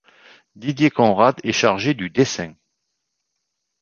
Didier Conrad est chargé du dessin.